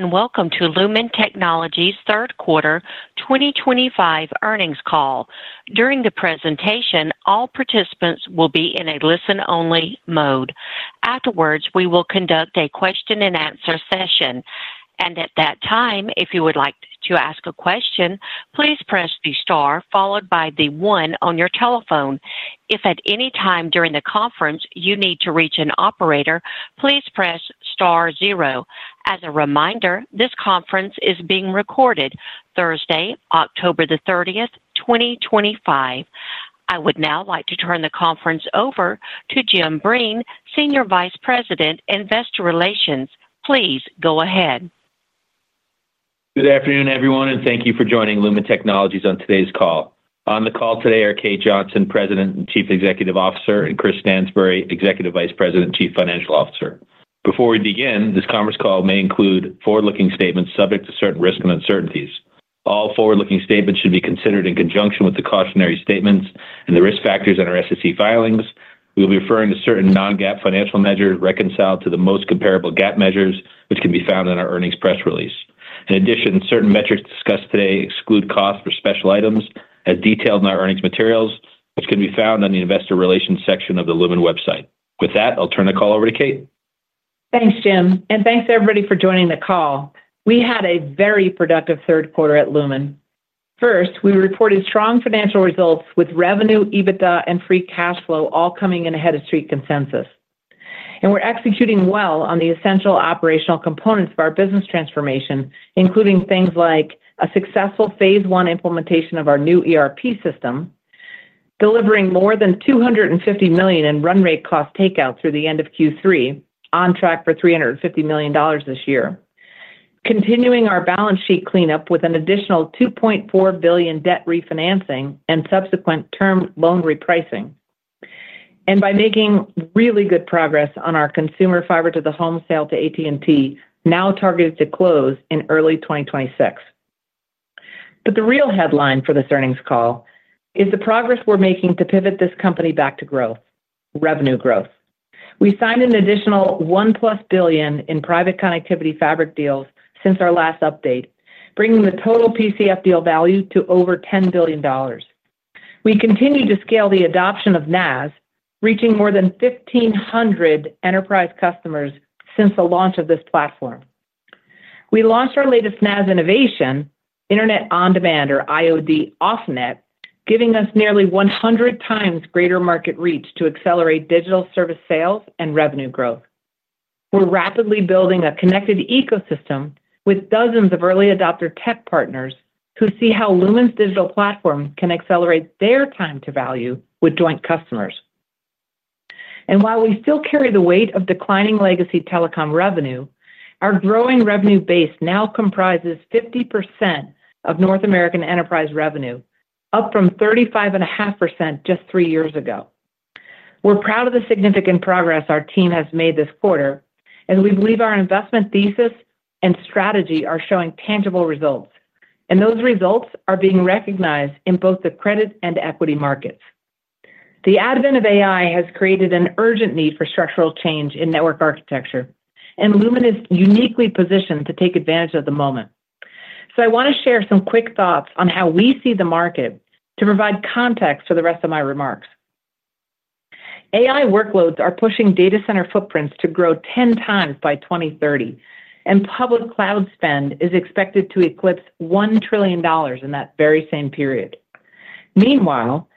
Welcome to Lumen Technologies' third quarter 2025 earnings call. During the presentation, all participants will be in a listen-only mode. Afterwards, we will conduct a question-and-answer session, and at that time, if you would like to ask a question, please press the star followed by the one on your telephone. If at any time during the conference you need to reach an operator, please press star zero. As a reminder, this conference is being recorded Thursday, October 30th, 2025. I would now like to turn the conference over to Jim Breen, Senior Vice President, Investor Relations. Please go ahead. Good afternoon, everyone, and thank you for joining Lumen Technologies on today's call. On the call today are Kate Johnson, President and Chief Executive Officer, and Chris Stansbury, Executive Vice President and Chief Financial Officer. Before we begin, this conference call may include forward-looking statements subject to certain risks and uncertainties. All forward-looking statements should be considered in conjunction with the cautionary statements and the risk factors in our SEC filings. We will be referring to certain non-GAAP financial measures reconciled to the most comparable GAAP measures, which can be found in our earnings press release. In addition, certain metrics discussed today exclude costs for special items as detailed in our earnings materials, which can be found on the Investor Relations section of the Lumen website. With that, I'll turn the call over to Kate. Thanks, Jim, and thanks everybody for joining the call. We had a very productive third quarter at Lumen. First, we reported strong financial results with revenue, EBITDA, and free cash flow all coming in ahead of street consensus. We're executing well on the essential operational components of our business transformation, including things like a successful phase one implementation of our new ERP system, delivering more than $250 million in run-rate cost takeout through the end of Q3, on track for $350 million this year. Continuing our balance sheet cleanup with an additional $2.4 billion debt refinancing and subsequent term loan repricing. We're making really good progress on our consumer fiber-to-the-home sale to AT&T, now targeted to close in early 2026. The real headline for this earnings call is the progress we're making to pivot this company back to growth, revenue growth. We signed an additional $1+ billion in Private Connectivity Fabric deals since our last update, bringing the total PCF deal value to over $10 billion. We continue to scale the adoption of NaaS, reaching more than 1,500 enterprise customers since the launch of this platform. We launched our latest NaaS innovation, Internet on Demand, or IoD Offnet, giving us nearly 100x greater market reach to accelerate digital service sales and revenue growth. We're rapidly building a connected ecosystem with dozens of early adopter tech partners who see how Lumen's digital platform can accelerate their time to value with joint customers. While we still carry the weight of declining legacy telecom revenue, our growing revenue base now comprises 50% of North American enterprise revenue, up from 35.5% just three years ago. We're proud of the significant progress our team has made this quarter, as we believe our investment thesis and strategy are showing tangible results, and those results are being recognized in both the credit and equity markets. The advent of AI has created an urgent need for structural change in network architecture, and Lumen is uniquely positioned to take advantage of the moment. I want to share some quick thoughts on how we see the market to provide context for the rest of my remarks. AI workloads are pushing data center footprints to grow 10x by 2030, and public cloud spend is expected to eclipse $1 trillion in that very same period. Meanwhile,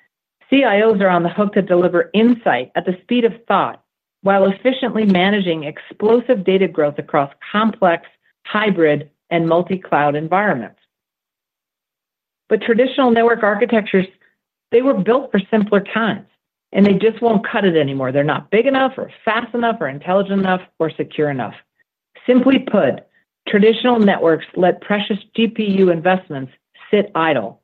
CIOs are on the hook to deliver insight at the speed of thought while efficiently managing explosive data growth across complex, hybrid, and multi-cloud environments. Traditional network architectures were built for simpler times, and they just won't cut it anymore. They're not big enough, or fast enough, or intelligent enough, or secure enough. Simply put, traditional networks let precious GPU investments sit idle.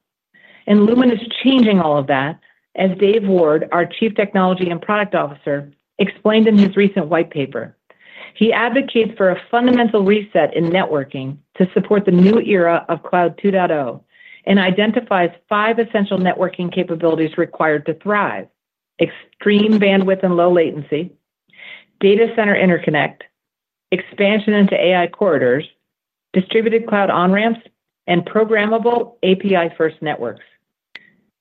Lumen is changing all of that, as Dave Ward, our Chief Technology and Product Officer, explained in his recent white paper. He advocates for a fundamental reset in networking to support the new era of Cloud 2.0 and identifies five essential networking capabilities required to thrive: extreme bandwidth and low latency, data center interconnect, expansion into AI corridors, distributed cloud on-ramps, and programmable API-first networks.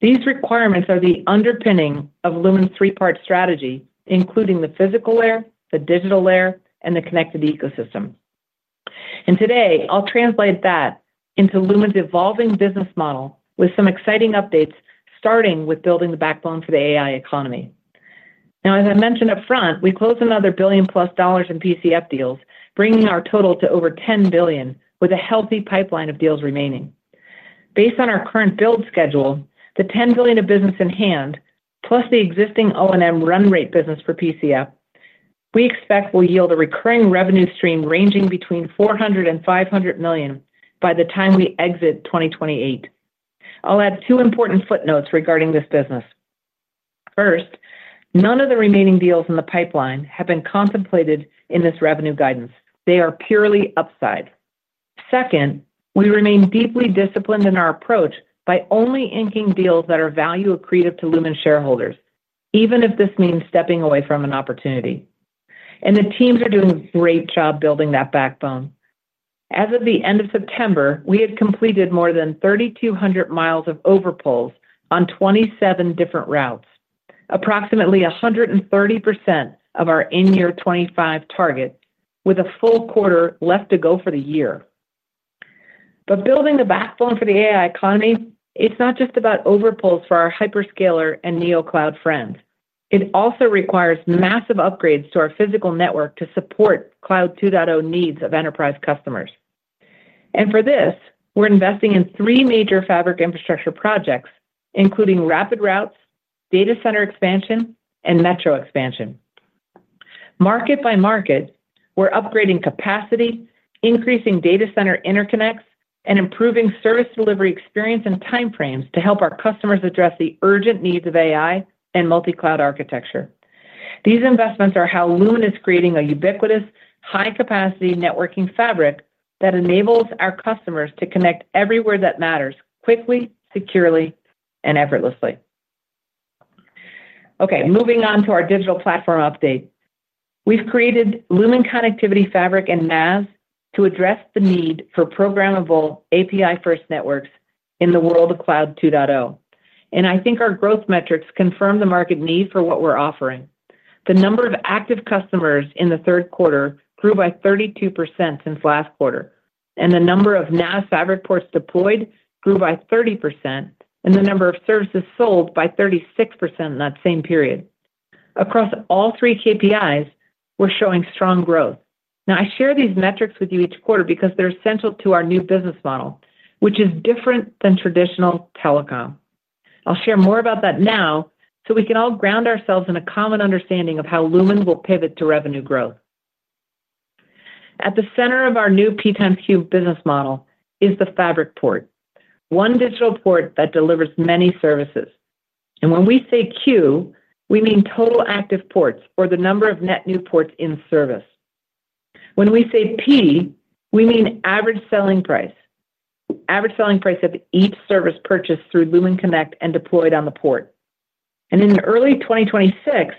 These requirements are the underpinning of Lumen's three-part strategy, including the physical layer, the digital layer, and the connected ecosystem. Today, I'll translate that into Lumen's evolving business model with some exciting updates, starting with building the backbone for the AI economy. As I mentioned upfront, we closed another billion-plus dollars in PCF deals, bringing our total to over $10 billion, with a healthy pipeline of deals remaining. Based on our current build schedule, the $10 billion of business in hand, plus the existing O&M run rate business for PCF, we expect will yield a recurring revenue stream ranging between $400 million and $500 million by the time we exit 2028. I'll add two important footnotes regarding this business. First, none of the remaining deals in the pipeline have been contemplated in this revenue guidance. They are purely upside. Second, we remain deeply disciplined in our approach by only inking deals that are value accretive to Lumen shareholders, even if this means stepping away from an opportunity. The teams are doing a great job building that backbone. As of the end of September, we had completed more than 3,200 mi of overpulls on 27 different routes, approximately 130% of our end-year 2025 target, with a full quarter left to go for the year. Building the backbone for the AI economy is not just about overpulls for our hyperscaler and NeoCloud friends. It also requires massive upgrades to our physical network to support Cloud 2.0 needs of enterprise customers. For this, we're investing in three major fabric infrastructure projects, including rapid routes, data center expansion, and metro expansion. Market by market, we're upgrading capacity, increasing data center interconnects, and improving service delivery experience and timeframes to help our customers address the urgent needs of AI and multi-cloud architecture. These investments are how Lumen Technologies is creating a ubiquitous, high-capacity networking fabric that enables our customers to connect everywhere that matters, quickly, securely, and effortlessly. Moving on to our digital platform update. We've created Lumen Connectivity Fabric and NaaS to address the need for programmable API-first networks in the world of Cloud 2.0. I think our growth metrics confirm the market need for what we're offering. The number of active customers in the third quarter grew by 32% since last quarter, the number of NaaS fabric ports deployed grew by 30%, and the number of services sold by 36% in that same period. Across all three KPIs, we're showing strong growth. I share these metrics with you each quarter because they're essential to our new business model, which is different than traditional telecom. I'll share more about that now so we can all ground ourselves in a common understanding of how Lumen will pivot to revenue growth. At the center of our new P times Q business model is the fabric port, one digital port that delivers many services. When we say Q, we mean total active ports or the number of net new ports in service. When we say P, we mean average selling price, average selling price of each service purchased through Lumen Connect and deployed on the port. In early 2026,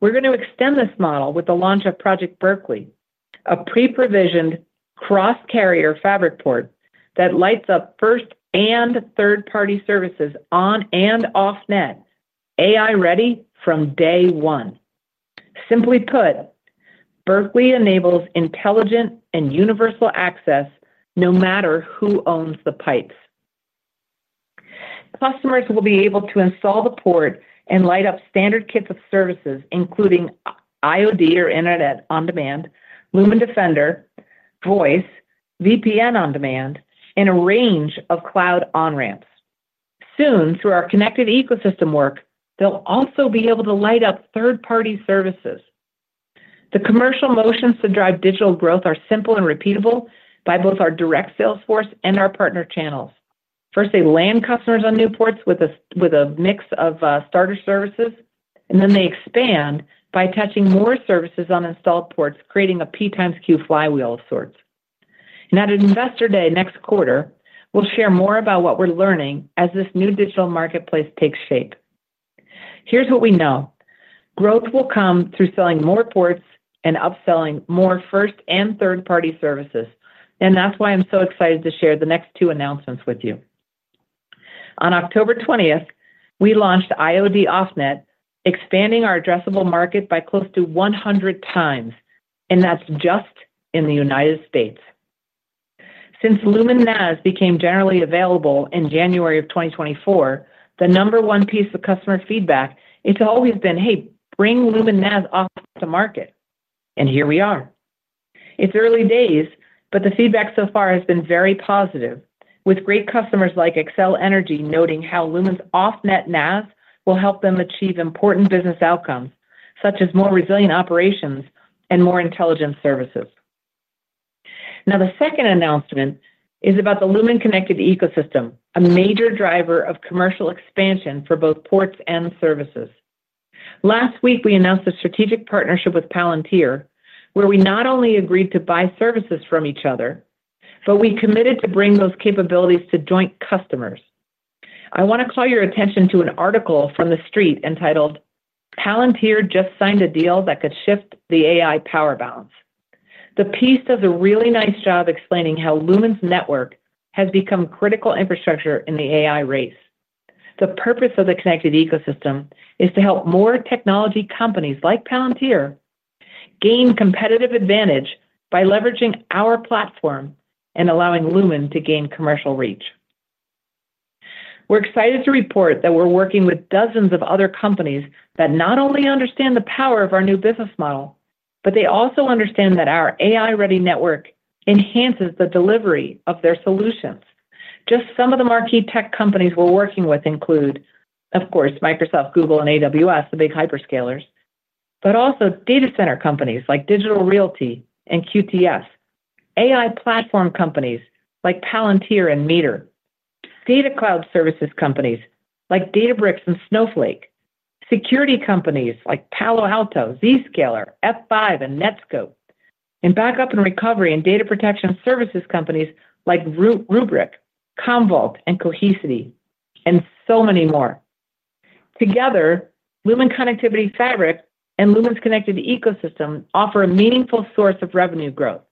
we're going to extend this model with the launch of Project Berkeley, a pre-provisioned cross-carrier fabric port that lights up first and third-party services on and off-net, AI-ready from day one. Simply put, Project Berkeley enables intelligent and universal access no matter who owns the pipes. Customers will be able to install the port and light up standard kits of services, including IoD, Internet on Demand, Lumen Defender, voice, VPN on demand, and a range of cloud on-ramps. Soon, through our connected ecosystem work, they'll also be able to light up third-party services. The commercial motions to drive digital growth are simple and repeatable by both our direct sales force and our partner channels. First, they land customers on new ports with a mix of starter services, then they expand by touching more services on installed ports, creating a P times Q flywheel of sorts. At Investor Day next quarter, we'll share more about what we're learning as this new digital marketplace takes shape. Here's what we know: growth will come through selling more ports and upselling more first and third-party services. That's why I'm so excited to share the next two announcements with you. On October 20th, we launched IoD Offnet, expanding our addressable market by close to 100x, and that's just in the United States. Since Lumen NaaS became generally available in January 2024, the number one piece of customer feedback, it's always been, "Hey, bring Lumen NaaS off to market." Here we are. It's early days, but the feedback so far has been very positive, with great customers like Xcel Energy noting how Lumen's off-net NaaS will help them achieve important business outcomes, such as more resilient operations and more intelligent services. The second announcement is about the Lumen Connected ecosystem, a major driver of commercial expansion for both ports and services. Last week, we announced a strategic partnership with Palantir, where we not only agreed to buy services from each other, but we committed to bring those capabilities to joint customers. I want to call your attention to an article from The Street entitled, "Palantir Just Signed a Deal That Could Shift the AI Power Balance." The piece does a really nice job explaining how Lumen's network has become critical infrastructure in the AI race. The purpose of the connected ecosystem is to help more technology companies like Palantir gain competitive advantage by leveraging our platform and allowing Lumen to gain commercial reach. We're excited to report that we're working with dozens of other companies that not only understand the power of our new business model, but they also understand that our AI-ready network enhances the delivery of their solutions. Just some of the marquee tech companies we're working with include, of course, Microsoft, Google, and AWS, the big hyperscalers, but also data center companies like Digital Realty and QTS, AI platform companies like Palantir and Meter, data cloud services companies like Databricks and Snowflake, security companies like Palo Alto Networks, Zscaler, F5, and Netskope, and backup and recovery and data protection services companies like Rubrik, Commvault, and Cohesity, and so many more. Together, Lumen Connectivity Fabric and Lumen's connected ecosystem offer a meaningful source of revenue growth.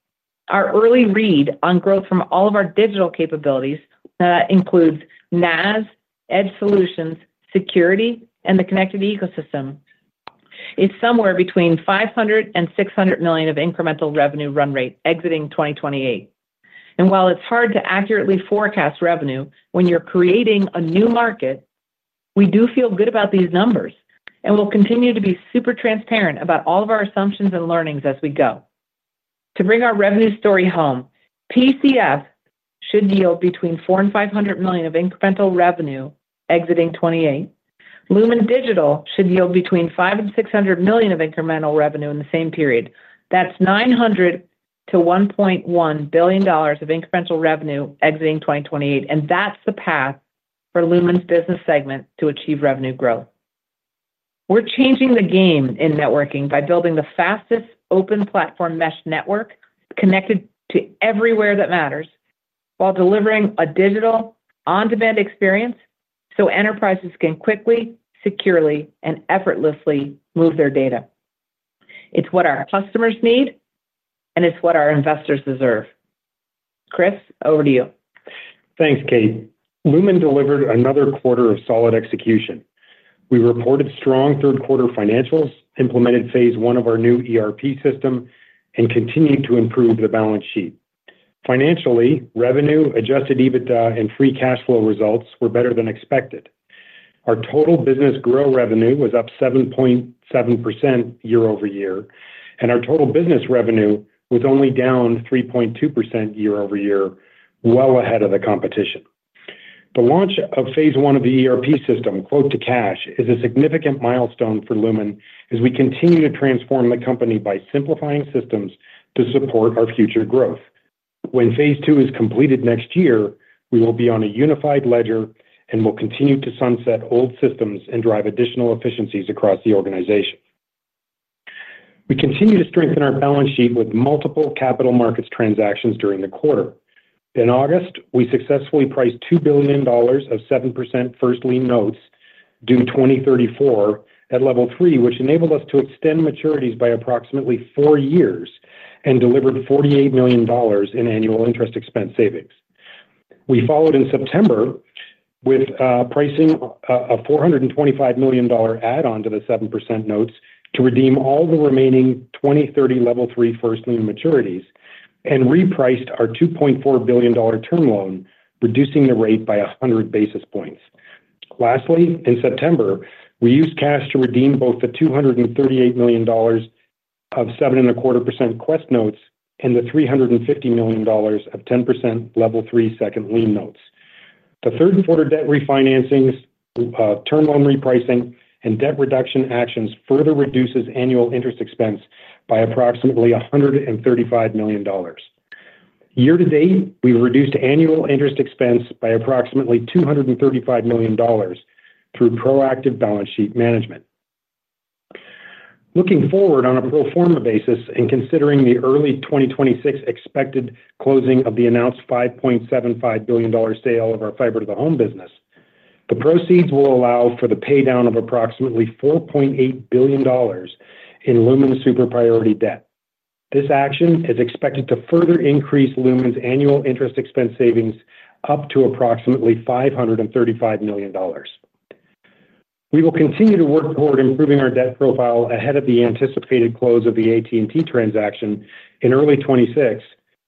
Our early read on growth from all of our digital capabilities, that includes NaaS, edge solutions, security, and the connected ecosystem, is somewhere between $500 million and $600 million of incremental revenue run rate exiting 2028. While it's hard to accurately forecast revenue when you're creating a new market, we do feel good about these numbers and will continue to be super transparent about all of our assumptions and learnings as we go. To bring our revenue story home, PCF should yield between $400 million and $500 million of incremental revenue exiting 2028. Lumen Digital should yield between $500 million and $600 million of incremental revenue in the same period. That's $900 million-$1.1 billion of incremental revenue exiting 2028, and that's the path for Lumen's business segment to achieve revenue growth. We're changing the game in networking by building the fastest open platform mesh network connected to everywhere that matters while delivering a digital on-demand experience so enterprises can quickly, securely, and effortlessly move their data. It's what our customers need, and it's what our investors deserve. Chris, over to you. Thanks, Kate. Lumen delivered another quarter of solid execution. We reported strong third-quarter financials, implemented phase one of our new ERP system, and continued to improve the balance sheet. Financially, revenue, adjusted EBITDA, and free cash flow results were better than expected. Our total business grow revenue was up 7.7% year-over-year, and our total business revenue was only down 3.2% year-over-year, well ahead of the competition. The launch of phase one of the ERP system, quote to cash, is a significant milestone for Lumen as we continue to transform the company by simplifying systems to support our future growth. When phase two is completed next year, we will be on a unified ledger and will continue to sunset old systems and drive additional efficiencies across the organization. We continue to strengthen our balance sheet with multiple capital markets transactions during the quarter. In August, we successfully priced $2 billion of 7% first-lien notes due 2034 at Level 3, which enabled us to extend maturities by approximately four years and delivered $48 million in annual interest expense savings. We followed in September with pricing a $425 million add-on to the 7% notes to redeem all the remaining 2030 Level 3 first-lien maturities and repriced our $2.4 billion term loan, reducing the rate by 100 basis points. Lastly, in September, we used cash to redeem both the $238 million of 7.25% Qwest notes and the $350 million of 10% Level 3 second-lien notes. The third-quarter debt refinancings, term loan repricing, and debt reduction actions further reduced annual interest expense by approximately $135 million. Year-to-date, we've reduced annual interest expense by approximately $235 million through proactive balance sheet management. Looking forward on a pro forma basis and considering the early 2026 expected closing of the announced $5.75 billion sale of our fiber-to-the-home business, the proceeds will allow for the paydown of approximately $4.8 billion in Lumen super priority debt. This action is expected to further increase Lumen's annual interest expense savings up to approximately $535 million. We will continue to work toward improving our debt profile ahead of the anticipated close of the AT&T transaction in early 2026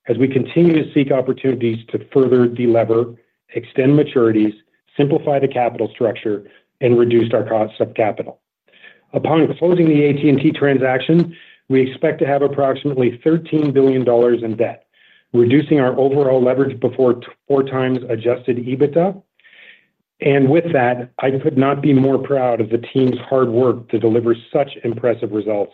as we continue to seek opportunities to further delever, extend maturities, simplify the capital structure, and reduce our cost of capital. Upon closing the AT&T transaction, we expect to have approximately $13 billion in debt, reducing our overall leverage before 4x adjusted EBITDA. With that, I could not be more proud of the team's hard work to deliver such impressive results,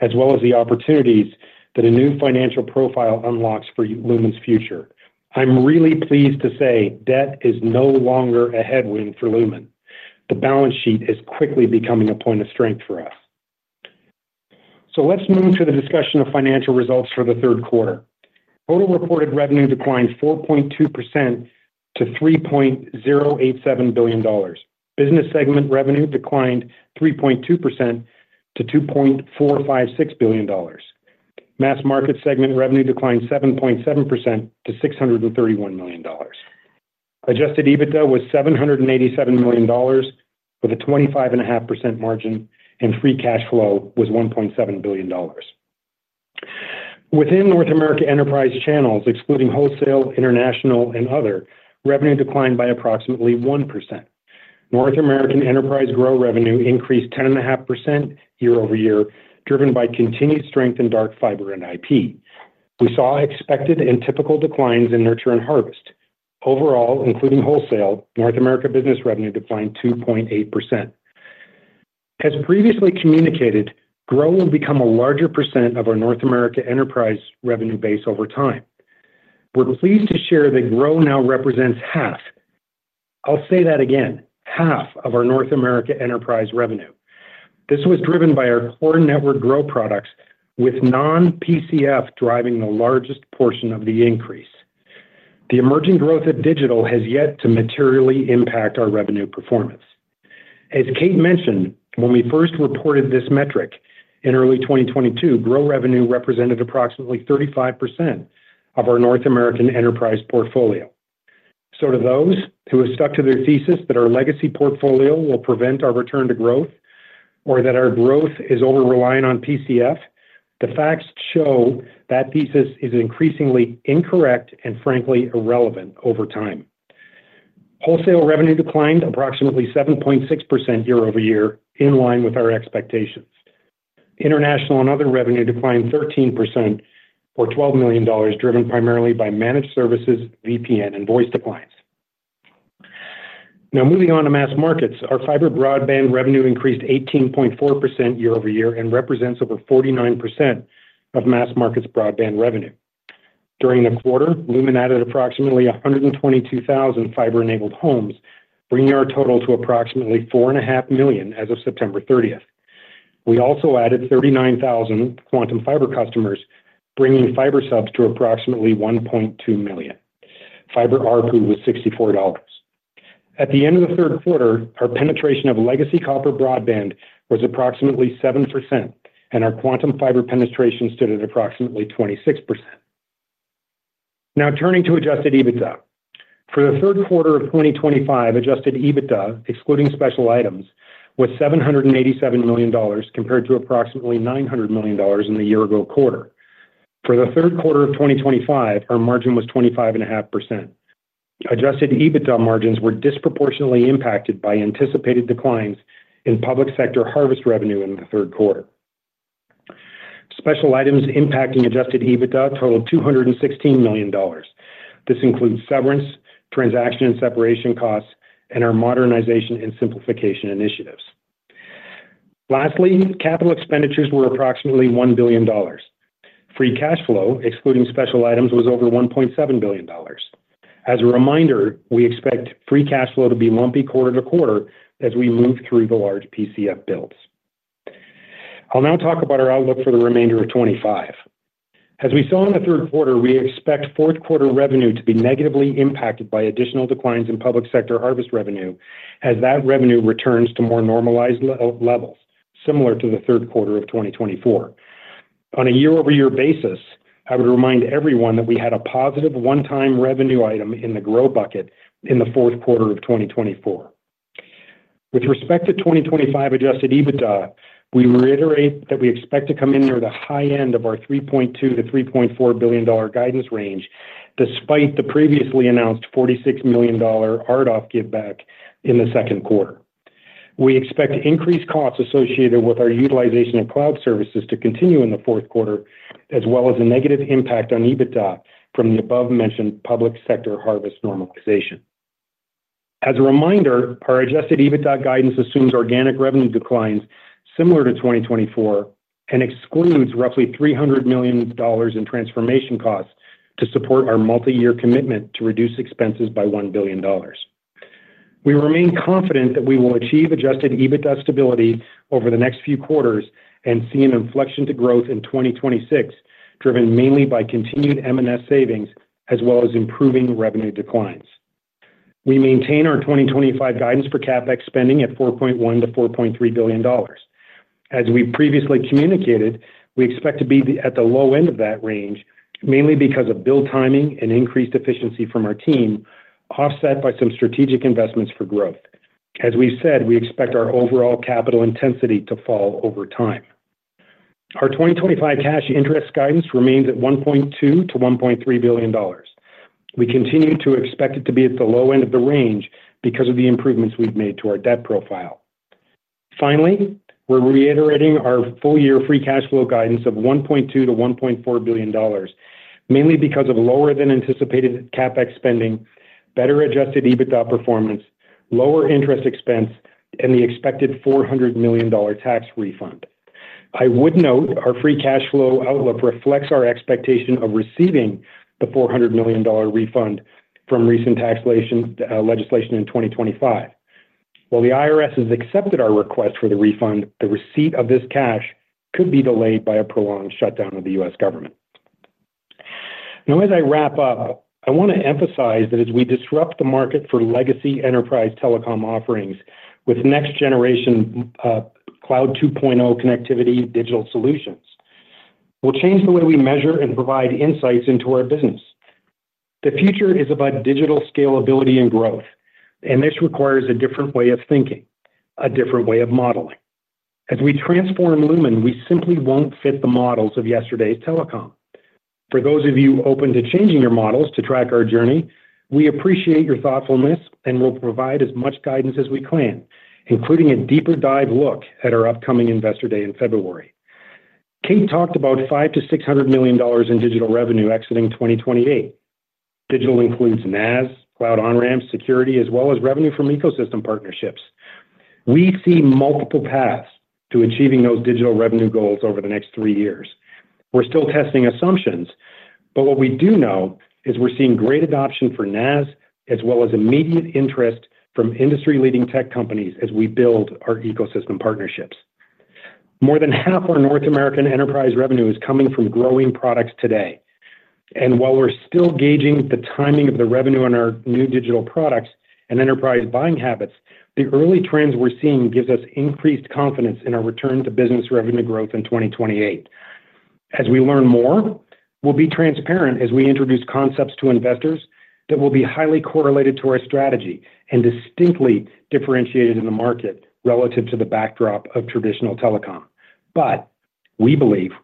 as well as the opportunities that a new financial profile unlocks for Lumen's future. I'm really pleased to say debt is no longer a headwind for Lumen. The balance sheet is quickly becoming a point of strength for us. Let's move to the discussion of financial results for the third quarter. Total reported revenue declined 4.2% to $3.087 billion. Business segment revenue declined 3.2% to $2.456 billion. Mass market segment revenue declined 7.7% to $631 million. Adjusted EBITDA was $787 million, with a 25.5% margin, and free cash flow was $1.7 billion. Within North America enterprise channels, excluding wholesale, international, and other, revenue declined by approximately 1%. North America enterprise grow revenue increased 10.5% year-over-year, driven by continued strength in dark fiber and IP. We saw expected and typical declines in nurture and harvest. Overall, including wholesale, North America business revenue declined 2.8%. As previously communicated, grow will become a larger percent of our North America enterprise revenue base over time. We're pleased to share that grow now represents half. I'll say that again, half of our North America enterprise revenue. This was driven by our core network grow products, with non-PCF driving the largest portion of the increase. The emerging growth of digital has yet to materially impact our revenue performance. As Kate mentioned, when we first reported this metric in early 2022, grow revenue represented approximately 35% of our North America enterprise portfolio. To those who have stuck to their thesis that our legacy portfolio will prevent our return to growth, or that our growth is over-relying on PCF, the facts show that thesis is increasingly incorrect and frankly irrelevant over time. Wholesale revenue declined approximately 7.6% year-over-year, in line with our expectations. International and other revenue declined 13% or $12 million, driven primarily by managed services, VPN, and voice declines. Now, moving on to mass markets, our fiber broadband revenue increased 18.4% year-over-year and represents over 49% of mass markets broadband revenue. During the quarter, Lumen added approximately 122,000 fiber-enabled homes, bringing our total to approximately 4.5 million as of September 30th. We also added 39,000 Quantum Fiber customers, bringing fiber subs to approximately 1.2 million. Fiber RPU was $64. At the end of the third quarter, our penetration of legacy copper broadband was approximately 7%, and our Quantum Fiber penetration stood at approximately 26%. Now, turning to adjusted EBITDA. For the third quarter of 2025, adjusted EBITDA, excluding special items, was $787 million compared to approximately $900 million in the year-ago quarter. For the third quarter of 2025, our margin was 25.5%. Adjusted EBITDA margins were disproportionately impacted by anticipated declines in public sector harvest revenue in the third quarter. Special items impacting adjusted EBITDA totaled $216 million. This includes severance, transaction and separation costs, and our modernization and simplification initiatives. Lastly, capital expenditures were approximately $1 billion. Free cash flow, excluding special items, was over $1.7 billion. As a reminder, we expect free cash flow to be lumpy quarter-to-quarter as we move through the large PCF builds. I'll now talk about our outlook for the remainder of 2025. As we saw in the third quarter, we expect fourth-quarter revenue to be negatively impacted by additional declines in public sector harvest revenue as that revenue returns to more normalized levels, similar to the third quarter of 2024. On a year-over-year basis, I would remind everyone that we had a positive one-time revenue item in the grow bucket in the fourth quarter of 2024. With respect to 2025 adjusted EBITDA, we reiterate that we expect to come in near the high end of our $3.2 billion-$3.4 billion guidance range, despite the previously announced $46 million RDOF give back in the second quarter. We expect increased costs associated with our utilization of cloud services to continue in the fourth quarter, as well as a negative impact on EBITDA from the above-mentioned public sector harvest normalization. As a reminder, our adjusted EBITDA guidance assumes organic revenue declines similar to 2024 and excludes roughly $300 million in transformation costs to support our multi-year commitment to reduce expenses by $1 billion. We remain confident that we will achieve adjusted EBITDA stability over the next few quarters and see an inflection to growth in 2026, driven mainly by continued M&S savings as well as improving revenue declines. We maintain our 2025 guidance for CapEx spending at $4.1 billion-$4.3 billion. As we previously communicated, we expect to be at the low end of that range, mainly because of build timing and increased efficiency from our team, offset by some strategic investments for growth. As we've said, we expect our overall capital intensity to fall over time. Our 2025 cash interest guidance remains at $1.2 billion-$1.3 billion. We continue to expect it to be at the low end of the range because of the improvements we've made to our debt profile. Finally, we're reiterating our full-year free cash flow guidance of $1.2 billion-$1.4 billion, mainly because of lower-than-anticipated CapEx spending, better adjusted EBITDA performance, lower interest expense, and the expected $400 million tax refund. I would note our free cash flow outlook reflects our expectation of receiving the $400 million refund from recent tax legislation in 2025. While the IRS has accepted our request for the refund, the receipt of this cash could be delayed by a prolonged shutdown of the U.S. government. Now, as I wrap up, I want to emphasize that as we disrupt the market for legacy enterprise telecom offerings with next-generation Cloud 2.0 connectivity digital solutions, we'll change the way we measure and provide insights into our business. The future is about digital scalability and growth, and this requires a different way of thinking, a different way of modeling. As we transform Lumen, we simply won't fit the models of yesterday's telecom. For those of you open to changing your models to track our journey, we appreciate your thoughtfulness and will provide as much guidance as we can, including a deeper dive look at our upcoming investor day in February. Kate talked about $500 million-$600 million in digital revenue exiting 2028. Digital includes NaaS, cloud on-ramps, security, as well as revenue from ecosystem partnerships. We see multiple paths to achieving those digital revenue goals over the next three years. We're still testing assumptions, but what we do know is we're seeing great adoption for NaaS, as well as immediate interest from industry-leading tech companies as we build our ecosystem partnerships. More than half of our North America enterprise revenue is coming from growing products today. While we're still gauging the timing of the revenue on our new digital products and enterprise buying habits, the early trends we're seeing give us increased confidence in our return to business revenue growth in 2028. As we learn more, we'll be transparent as we introduce concepts to investors that will be highly correlated to our strategy and distinctly differentiated in the market relative to the backdrop of traditional telecom. We believe this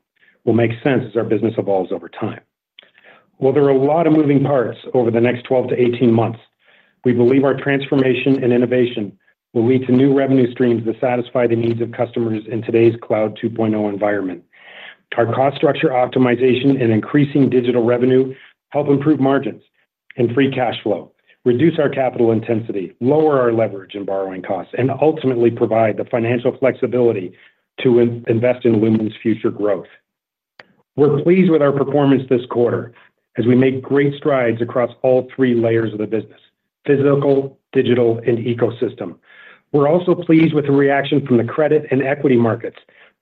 will make sense as our business evolves over time. While there are a lot of moving parts over the next 12-18 months, we believe our transformation and innovation will lead to new revenue streams that satisfy the needs of customers in today's Cloud 2.0 environment. Our cost structure optimization and increasing digital revenue help improve margins and free cash flow, reduce our capital intensity, lower our leverage and borrowing costs, and ultimately provide the financial flexibility to invest in Lumen's future growth. We're pleased with our performance this quarter as we make great strides across all three layers of the business: physical, digital, and ecosystem. We're also pleased with the reaction from the credit and equity markets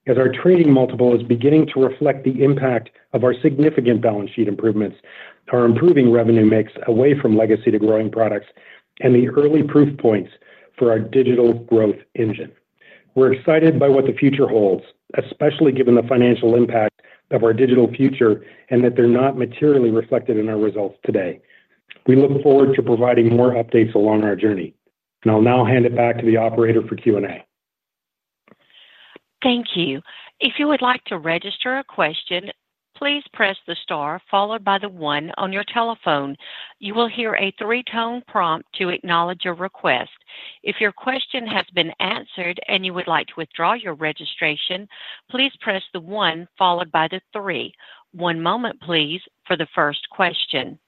as our trading multiple is beginning to reflect the impact of our significant balance sheet improvements, our improving revenue mix away from legacy to growing products, and the early proof points for our digital growth engine. We're excited by what the future holds, especially given the financial impact of our digital future and that they're not materially reflected in our results today. We look forward to providing more updates along our journey. I'll now hand it back to the operator for Q&A. Thank you. If you would like to register a question, please press the star followed by the one on your telephone. You will hear a three-tone prompt to acknowledge your request. If your question has been answered and you would like to withdraw your registration, please press the one followed by the three. One moment, please, for the first question.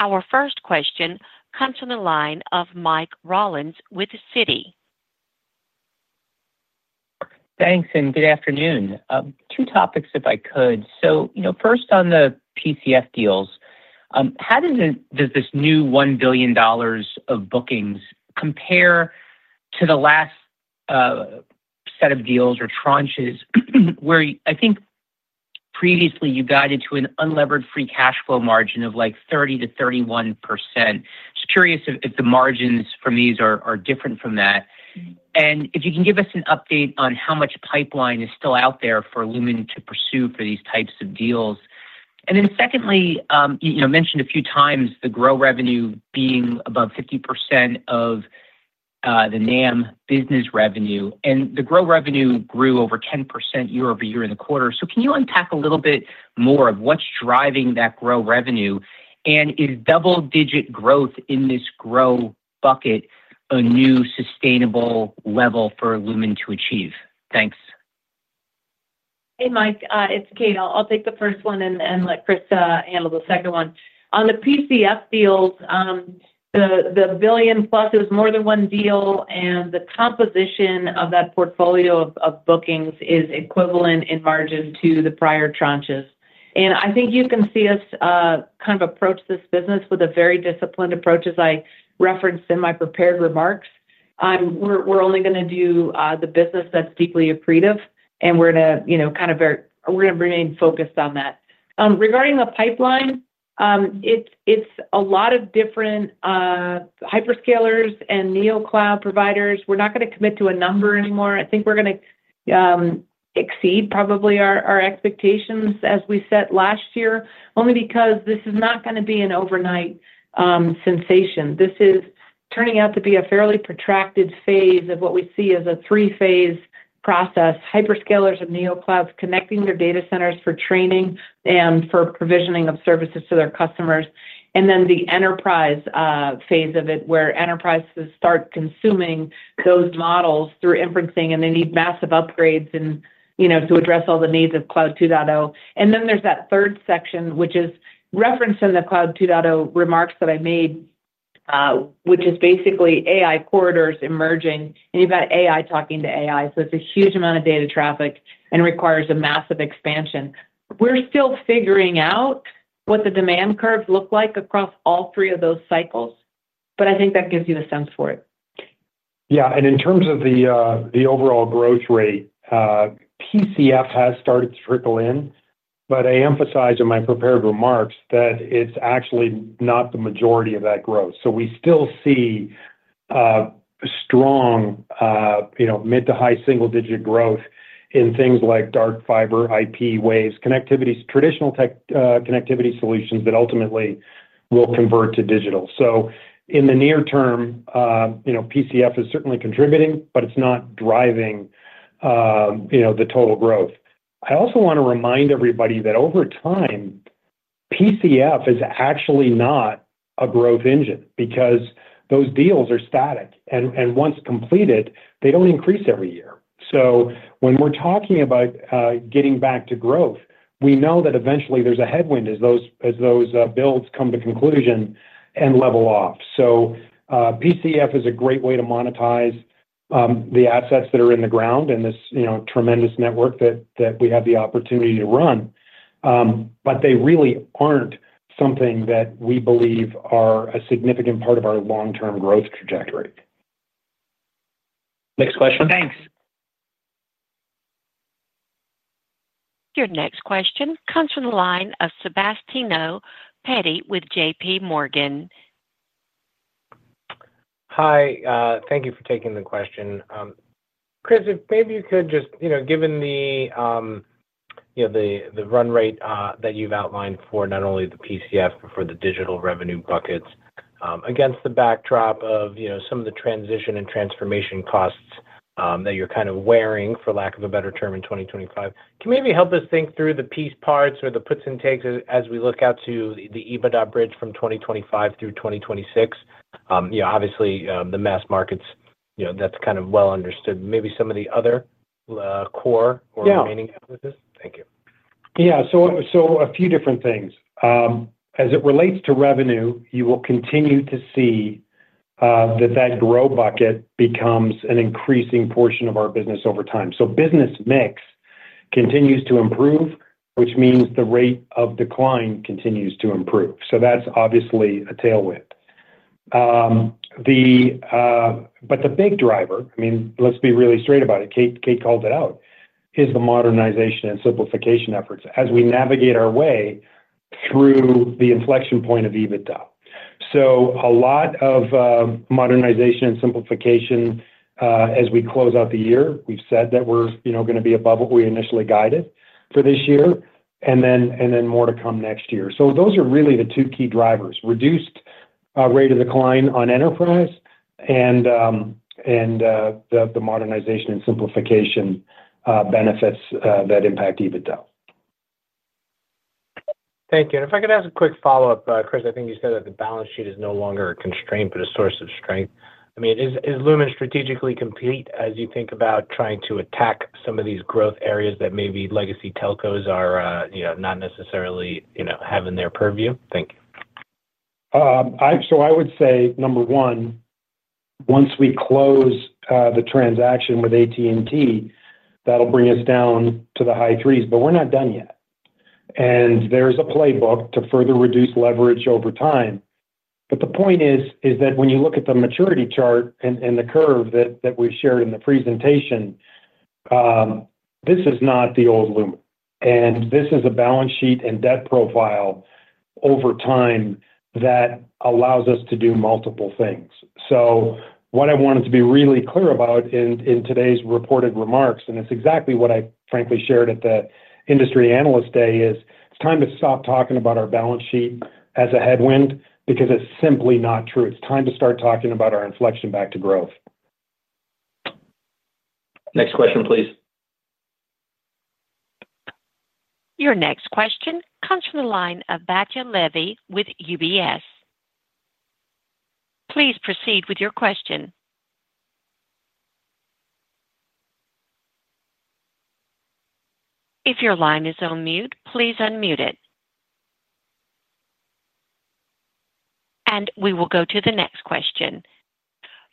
Our first question comes from the line of Michael Rollins with Citi. Thanks, and good afternoon. Two topics, if I could. First, on the PCF deals, how does this new $1 billion of bookings compare to the last set of deals or tranches where I think previously you guided to an unlevered free cash flow margin of like 30%-31%? Just curious if the margins from these are different from that. If you can give us an update on how much pipeline is still out there for Lumen to pursue for these types of deals. Secondly, you mentioned a few times the grow revenue being above 50% of the North America business revenue. The grow revenue grew over 10% year-over-year in the quarter. Can you unpack a little bit more of what's driving that grow revenue? Is double-digit growth in this grow bucket a new sustainable level for Lumen to achieve? Thanks. Hey, Michael. It's Kate. I'll take the first one and let Chris handle the second one. On the PCF deals, the $1+ billion, it was more than one deal, and the composition of that portfolio of bookings is equivalent in margin to the prior tranches. I think you can see us kind of approach this business with a very disciplined approach, as I referenced in my prepared remarks. We're only going to do the business that's deeply appreciative, and we're going to remain focused on that. Regarding the pipeline, it's a lot of different hyperscalers and NeoCloud providers. We're not going to commit to a number anymore. I think we're going to exceed probably our expectations as we set last year, only because this is not going to be an overnight sensation. This is turning out to be a fairly protracted phase of what we see as a three-phase process: hyperscalers and NeoClouds connecting their data centers for training and for provisioning of services to their customers, and then the enterprise phase of it, where enterprises start consuming those models through inferencing, and they need massive upgrades to address all the needs of Cloud 2.0. There's that third section, which is referenced in the Cloud 2.0 remarks that I made, which is basically AI corridors emerging, and you've got AI talking to AI. It's a huge amount of data traffic and requires a massive expansion. We're still figuring out what the demand curves look like across all three of those cycles, but I think that gives you a sense for it. Yeah, in terms of the overall growth rate, PCF has started to trickle in, but I emphasize in my prepared remarks that it's actually not the majority of that growth. We still see strong mid to high single-digit growth in things like dark fiber, IP, Waves, connectivities, traditional connectivity solutions that ultimately will convert to digital. In the near-term, PCF is certainly contributing, but it's not driving the total growth. I also want to remind everybody that over time, PCF is actually not a growth engine because those deals are static, and once completed, they don't increase every year. When we're talking about getting back to growth, we know that eventually there's a headwind as those builds come to conclusion and level off. PCF is a great way to monetize the assets that are in the ground and this tremendous network that we have the opportunity to run, but they really aren't something that we believe are a significant part of our long-term growth trajectory. Next question. Thanks. Your next question comes from the line of Sebastiano Petti with JPMorgan. Hi. Thank you for taking the question. Chris, if maybe you could just, given the run rate that you've outlined for not only the PCF but for the digital revenue buckets, against the backdrop of some of the transition and transformation costs that you're kind of wearing, for lack of a better term, in 2025, can you maybe help us think through the piece parts or the puts and takes as we look out to the EBITDA bridge from 2025 through 2026? Obviously, the mass markets, that's kind of well understood. Maybe some of the other core or remaining analysis? Thank you. Yeah. So a few different things. As it relates to revenue, you will continue to see that that grow bucket becomes an increasing portion of our business over time. Business mix continues to improve, which means the rate of decline continues to improve. That's obviously a tailwind. The big driver, I mean, let's be really straight about it, Kate called it out, is the modernization and simplification efforts as we navigate our way through the inflection point of EBITDA. A lot of modernization and simplification as we close out the year. We've said that we're going to be above what we initially guided for this year, and then more to come next year. Those are really the two key drivers: reduced rate of decline on enterprise and the modernization and simplification benefits that impact EBITDA. Thank you. If I could ask a quick follow-up, Chris, I think you said that the balance sheet is no longer a constraint but a source of strength. Is Lumen strategically complete as you think about trying to attack some of these growth areas that maybe legacy telcos are not necessarily having their purview? Thank you. I would say, number one, once we close the transaction with AT&T, that'll bring us down to the high threes, but we're not done yet. There's a playbook to further reduce leverage over time. The point is that when you look at the maturity chart and the curve that we shared in the presentation, this is not the old Lumen. This is a balance sheet and debt profile over time that allows us to do multiple things. What I wanted to be really clear about in today's reported remarks, and it's exactly what I frankly shared at the Industry Analyst Day, is it's time to stop talking about our balance sheet as a headwind because it's simply not true. It's time to start talking about our inflection back to growth. Next question, please. Your next question comes from the line of Batya Levi with UBS. Please proceed with your question. If your line is on mute, please unmute it. We will go to the next question.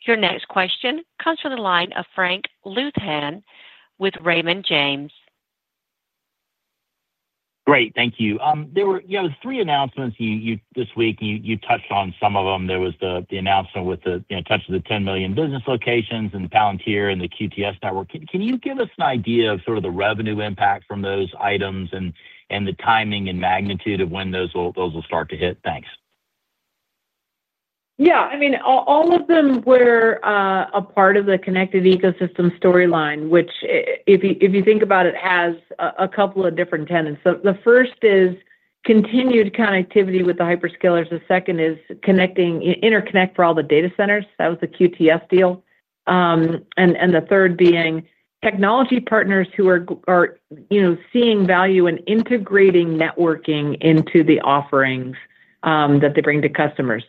Your next question comes from the line of Frank Louthan with Raymond James. Great. Thank you. There were three announcements this week. You touched on some of them. There was the announcement with the touch of the 10 million business locations and the Palantir and the QTS network. Can you give us an idea of sort of the revenue impact from those items and the timing and magnitude of when those will start to hit? Thanks. Yeah. All of them were a part of the connected ecosystem storyline, which, if you think about it, has a couple of different tenets. The first is continued connectivity with the hyperscalers. The second is connecting, interconnect for all the data centers. That was the QTS deal. The third being technology partners who are seeing value in integrating networking into the offerings that they bring to customers.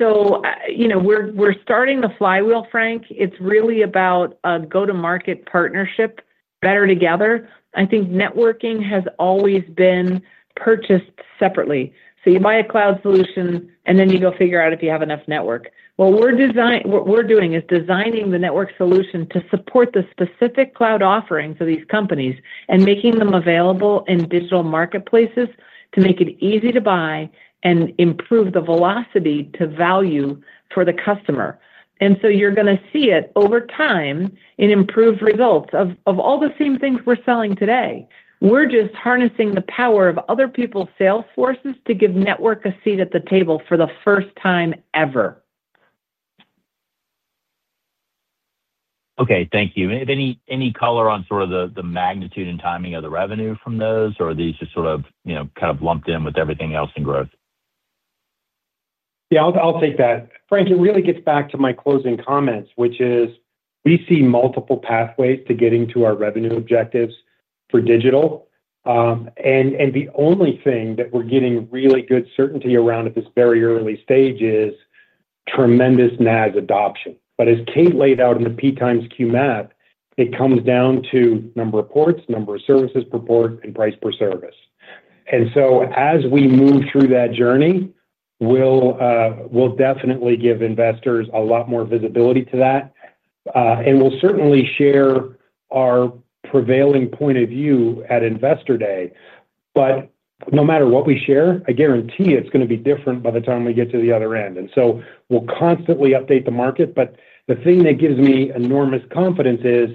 We're starting the flywheel, Frank. It's really about a go-to-market partnership, better together. I think networking has always been purchased separately. You buy a cloud solution, and then you go figure out if you have enough network. What we're doing is designing the network solution to support the specific cloud offerings of these companies and making them available in digital marketplaces to make it easy to buy and improve the velocity to value for the customer. You're going to see it over time in improved results of all the same things we're selling today. We're just harnessing the power of other people's sales forces to give network a seat at the table for the first time ever. Okay. Thank you. Any color on sort of the magnitude and timing of the revenue from those, or are these just sort of kind of lumped in with everything else in growth? Yeah. I'll take that. Frank, it really gets back to my closing comments, which is we see multiple pathways to getting to our revenue objectives for digital. The only thing that we're getting really good certainty around at this very early stage is tremendous NaaS adoption. As Kate laid out in the P times Q map, it comes down to number of ports, number of services per port, and price per service. As we move through that journey, we'll definitely give investors a lot more visibility to that. We'll certainly share our prevailing point of view at Investor Day. No matter what we share, I guarantee it's going to be different by the time we get to the other end. We'll constantly update the market. The thing that gives me enormous confidence is,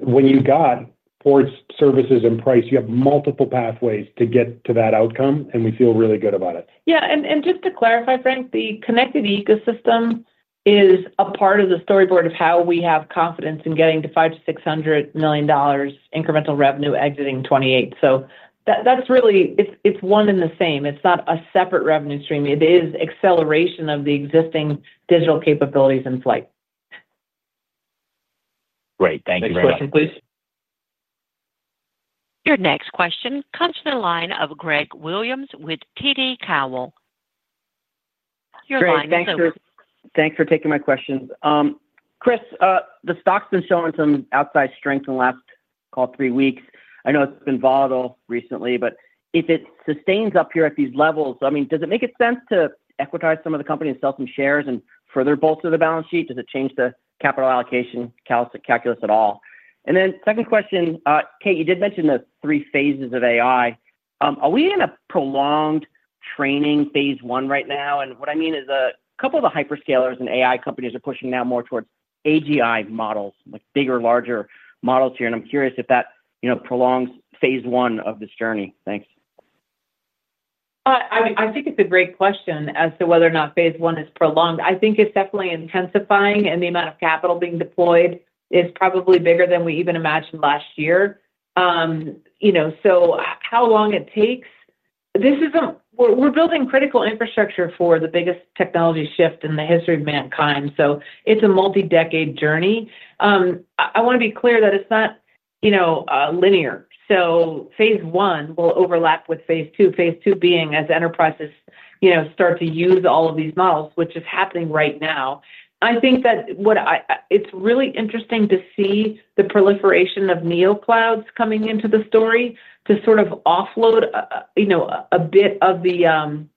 when you've got ports, services, and price, you have multiple pathways to get to that outcome, and we feel really good about it. Just to clarify, Frank, the connected ecosystem is a part of the storyboard of how we have confidence in getting to $500 million-$600 million incremental revenue exiting 2028. It's one and the same. It's not a separate revenue stream. It is acceleration of the existing digital capabilities in flight. Great. Thank you very much. Next question, please. Your next question comes from the line of Greg Williams with TD Cowen. Your line is open. Thanks for taking my questions. Chris, the stock's been showing some outside strength in the last three weeks. I know it's been volatile recently, but if it sustains up here at these levels, does it make sense to equitize some of the company and sell some shares and further bolster the balance sheet? Does it change the capital allocation calculus at all? Second question, Kate, you did mention the three phases of AI. Are we in a prolonged training phase one right now? What I mean is a couple of the hyperscalers and AI companies are pushing now more towards AGI models, like bigger, larger models here. I'm curious if that prolongs phase one of this journey. Thanks. I think it's a great question as to whether or not phase one is prolonged. I think it's definitely intensifying, and the amount of capital being deployed is probably bigger than we even imagined last year. How long it takes, this isn't, we're building critical infrastructure for the biggest technology shift in the history of mankind. It's a multi-decade journey. I want to be clear that it's not linear. Phase one will overlap with phase two, phase two being as enterprises start to use all of these models, which is happening right now. I think that it's really interesting to see the proliferation of NeoClouds coming into the story to sort of offload a bit of the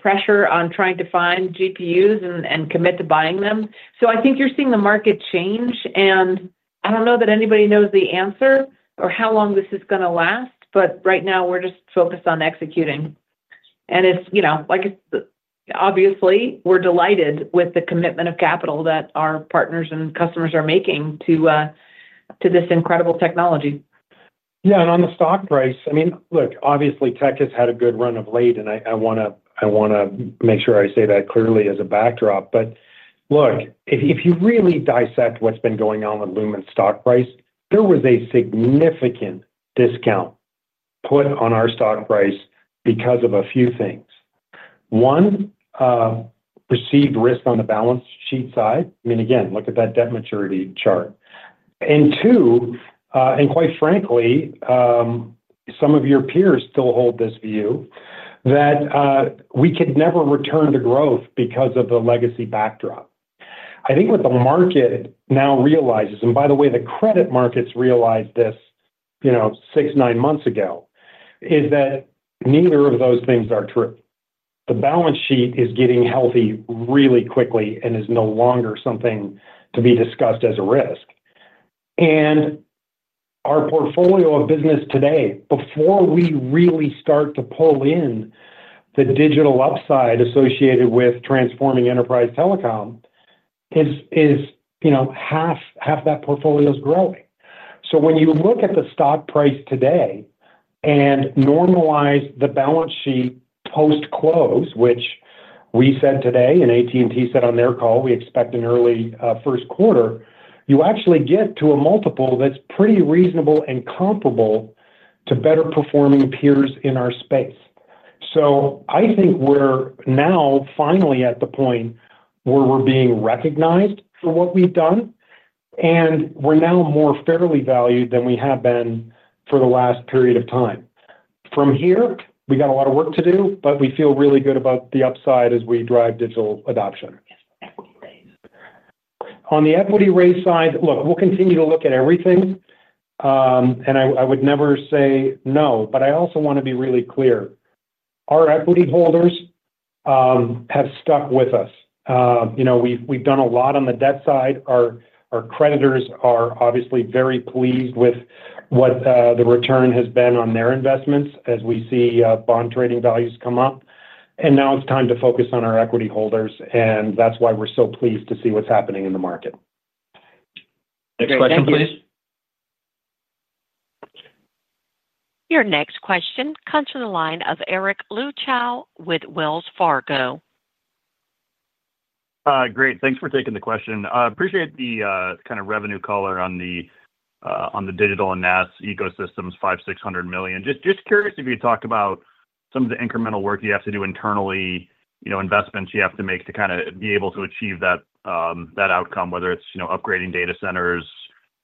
pressure on trying to find GPUs and commit to buying them. I think you're seeing the market change. I don't know that anybody knows the answer or how long this is going to last, but right now, we're just focused on executing. Obviously, we're delighted with the commitment of capital that our partners and customers are making to this incredible technology. On the stock price, obviously, tech has had a good run of late, and I want to make sure I say that clearly as a backdrop. If you really dissect what's been going on with Lumen Technologies' stock price, there was a significant discount put on our stock price because of a few things. One, perceived risk on the balance sheet side. Again, look at that debt maturity chart. Two, and quite frankly, some of your peers still hold this view that we could never return to growth because of the legacy backdrop. I think what the market now realizes, and by the way, the credit markets realized this six, nine months ago, is that neither of those things are true. The balance sheet is getting healthy really quickly and is no longer something to be discussed as a risk. Our portfolio of business today, before we really start to pull in the digital upside associated with transforming enterprise telecom, is half that portfolio is growing. When you look at the stock price today and normalize the balance sheet post-close, which we said today and AT&T said on their call, we expect an early first quarter, you actually get to a multiple that's pretty reasonable and comparable to better-performing peers in our space. I think we're now finally at the point where we're being recognized for what we've done, and we're now more fairly valued than we have been for the last period of time. From here, we got a lot of work to do, but we feel really good about the upside as we drive digital adoption. On the equity raise side, we'll continue to look at everything. I would never say no, but I also want to be really clear. Our equity holders have stuck with us. We've done a lot on the debt side. Our creditors are obviously very pleased with what the return has been on their investments as we see bond trading values come up. Now it's time to focus on our equity holders, and that's why we're so pleased to see what's happening in the market. Next question, please. Your next question comes from the line of Eric Luebchow with Wells Fargo. Great. Thanks for taking the question. Appreciate the kind of revenue color on the digital and NaaS ecosystems, $500 million, $600 million. Just curious if you could talk about some of the incremental work you have to do internally, investments you have to make to be able to achieve that outcome, whether it's upgrading data centers,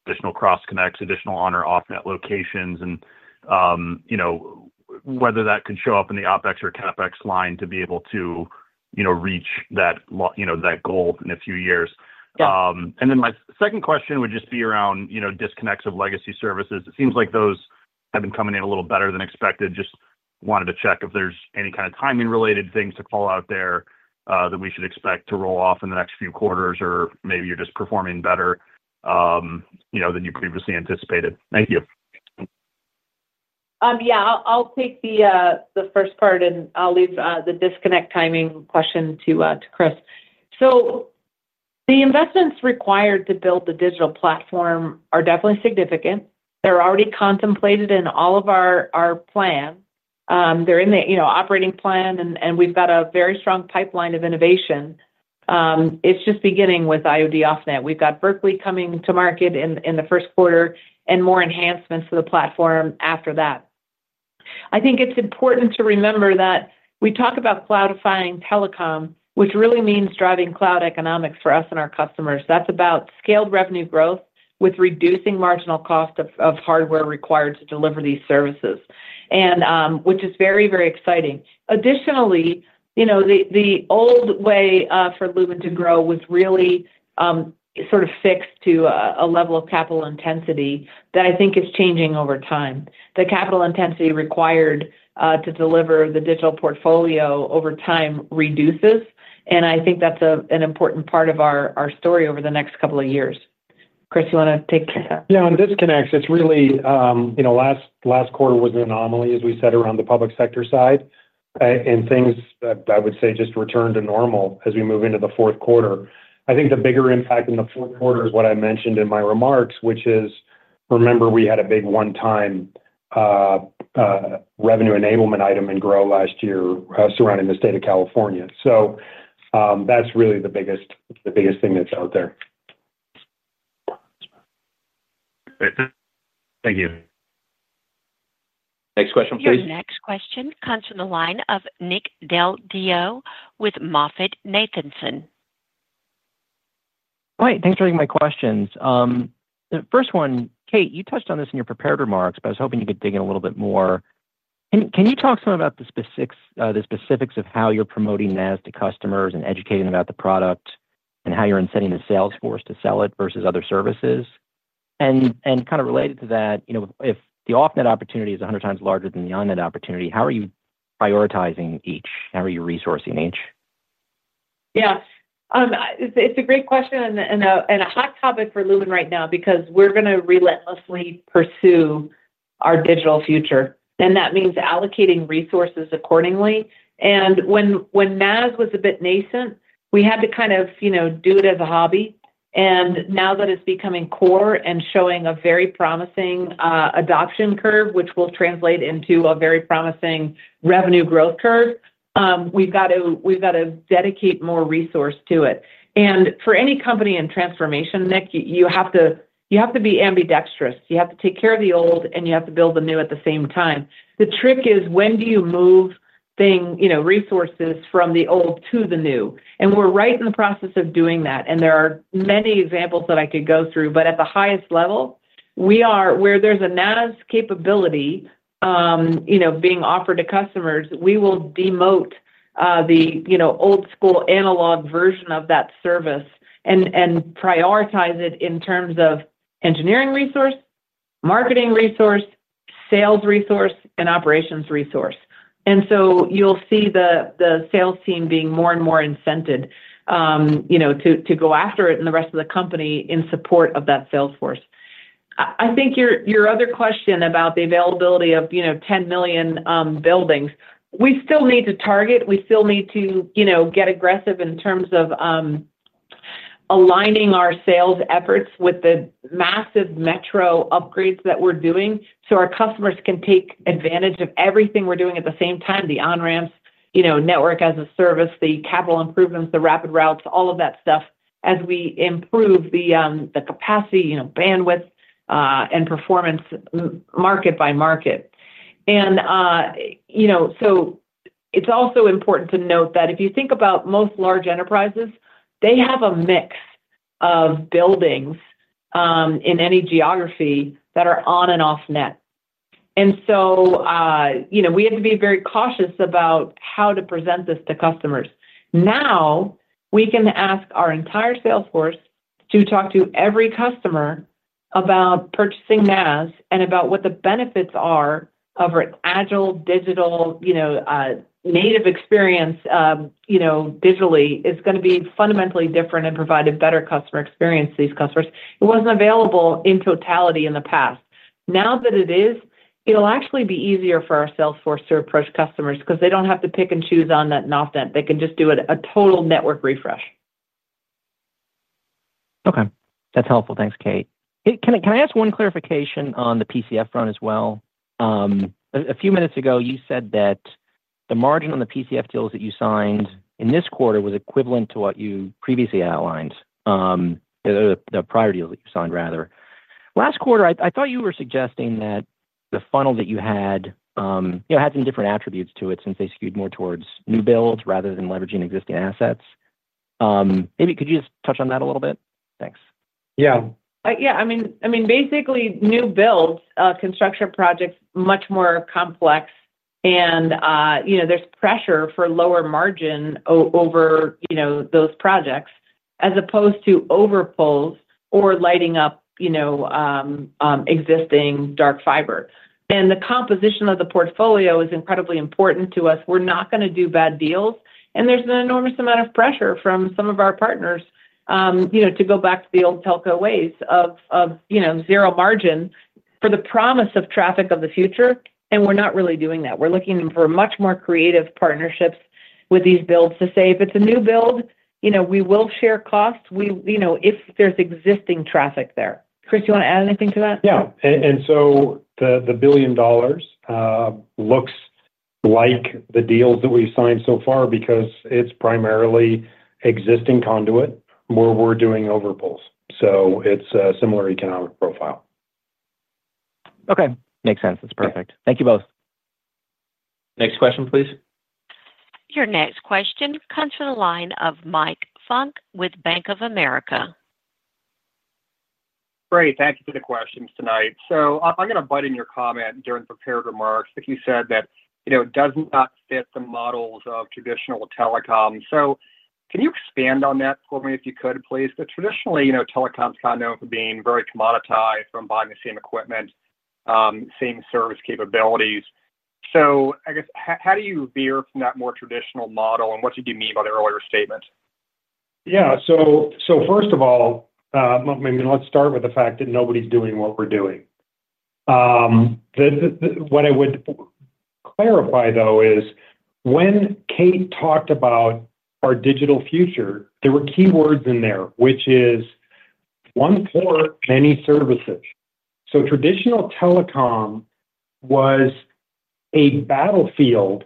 additional cross-connects, additional on- or off-net locations. Whether that could show up in the OpEx or CapEx line to be able to reach that goal in a few years. My second question would just be around disconnects of legacy services. It seems like those have been coming in a little better than expected. Just wanted to check if there's any kind of timing-related things to call out there that we should expect to roll off in the next few quarters, or maybe you're just performing better than you previously anticipated. Thank you. I'll take the first part, and I'll leave the disconnect timing question to Chris. The investments required to build the digital platform are definitely significant. They're already contemplated in all of our plans. They're in the operating plan, and we've got a very strong pipeline of innovation. It's just beginning with IoD Offnet. We've got Project Berkeley coming to market in the first quarter and more enhancements to the platform after that. I think it's important to remember that we talk about cloudifying telecom, which really means driving cloud economics for us and our customers. That's about scaled revenue growth with reducing marginal cost of hardware required to deliver these services, which is very, very exciting. Additionally, the old way for Lumen to grow was really sort of fixed to a level of capital intensity that I think is changing over time. The capital intensity required to deliver the digital portfolio over time reduces, and I think that's an important part of our story over the next couple of years. Chris, you want to take that? Yeah. On disconnects, it's really last quarter was an anomaly, as we said, around the public sector side. Things, I would say, just returned to normal as we move into the fourth quarter. I think the bigger impact in the fourth quarter is what I mentioned in my remarks, which is, remember, we had a big one-time revenue enablement item in grow last year surrounding the state of California. That's really the biggest thing that's out there. Thank you. Next question, please. Your next question comes from the line of Nick Del Deo with MoffettNathanson. All right. Thanks for taking my questions. The first one, Kate, you touched on this in your prepared remarks, but I was hoping you could dig in a little bit more. Can you talk some about the specifics of how you're promoting NaaS to customers and educating about the product and how you're incenting the sales force to sell it versus other services? Kind of related to that, if the off-net opportunity is 100x larger than the on-net opportunity, how are you prioritizing each? How are you resourcing each? Yeah. It's a great question and a hot topic for Lumen right now because we're going to relentlessly pursue our digital future. That means allocating resources accordingly. When NaaS was a bit NaaScent, we had to kind of do it as a hobby. Now that it's becoming core and showing a very promising adoption curve, which will translate into a very promising revenue growth curve, we've got to dedicate more resources to it. For any company in transformation, Nick, you have to be ambidextrous. You have to take care of the old, and you have to build the new at the same time. The trick is, when do you move resources from the old to the new? We're right in the process of doing that. There are many examples that I could go through. At the highest level, where there's a NaaS capability being offered to customers, we will demote the old-school analog version of that service and prioritize it in terms of engineering resource, marketing resource, sales resource, and operations resource. You'll see the sales team being more and more incented to go after it and the rest of the company in support of that sales force. I think your other question about the availability of 10 million buildings, we still need to target. We still need to get aggressive in terms of aligning our sales efforts with the massive metro upgrades that we're doing so our customers can take advantage of everything we're doing at the same time: the on-ramps, Network-as-a-Service, the capital improvements, the rapid routes, all of that stuff as we improve the capacity, bandwidth, and performance market by market. It's also important to note that if you think about most large enterprises, they have a mix of buildings in any geography that are on and off-net. We have to be very cautious about how to present this to customers. Now, we can ask our entire sales force to talk to every customer about purchasing NaaS and about what the benefits are of an agile digital native experience. Digitally is going to be fundamentally different and provide a better customer experience to these customers. It wasn't available in totality in the past. Now that it is, it'll actually be easier for our sales force to approach customers because they don't have to pick and choose on-net and off-net. They can just do a total network refresh. Okay. That's helpful. Thanks, Kate. Can I ask one clarification on the PCF front as well? A few minutes ago, you said that the margin on the PCF deals that you signed in this quarter was equivalent to what you previously outlined, the prior deals that you signed, rather. Last quarter, I thought you were suggesting that the funnel that you had had some different attributes to it since they skewed more towards new builds rather than leveraging existing assets. Maybe could you just touch on that a little bit? Thanks. Yeah. I mean, basically, new builds, construction projects, much more complex. There's pressure for lower margin over those projects as opposed to overpulls or lighting up existing dark fiber. The composition of the portfolio is incredibly important to us. We're not going to do bad deals. There's an enormous amount of pressure from some of our partners to go back to the old telco ways of zero margin for the promise of traffic of the future. We're not really doing that. We're looking for much more creative partnerships with these builds to say, "If it's a new build, we will share costs if there's existing traffic there." Chris, do you want to add anything to that? Yeah. The $1 billion looks like the deals that we've signed so far because it's primarily existing conduit where we're doing overpulls. It's a similar economic profile. Okay. Makes sense. That's perfect. Thank you both. Next question, please. Your next question comes from the line of Michael Funk with Bank of America. Great. Thank you for the questions tonight. I'm going to butt in your comment during prepared remarks. You said that it does not fit the models of traditional telecom. Can you expand on that for me if you could, please? Traditionally, telecom is kind of known for being very commoditized from buying the same equipment, same service capabilities. I guess, how do you veer from that more traditional model? What did you mean by the earlier statement? Yeah. First of all, let's start with the fact that nobody's doing what we're doing. What I would clarify, though, is when Kate talked about our digital future, there were keywords in there, which is, "One port, many services." Traditional telecom was a battlefield